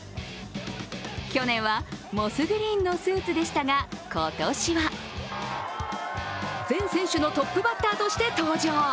去年はモスグリーンのスーツでしたが、今年は全選手のトップバッターとして登場。